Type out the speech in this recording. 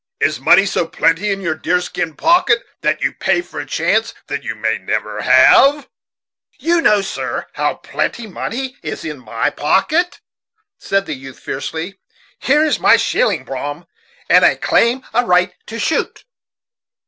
Is money so plenty in your deer skin pocket, that you pay for a chance that you may never have?" "How know you, sir, how plenty money is in my pocket?" said the youth fiercely. "Here is my shilling, Brom, and I claim a right to shoot."